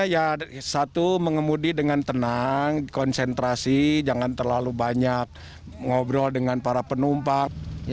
khawatir tanjakan turunan pak